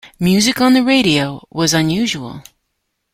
Music on the radio was unusual.